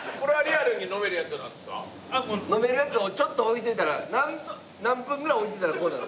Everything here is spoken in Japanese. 飲めるやつをちょっと置いといたら何分ぐらい置いといたらこうなる？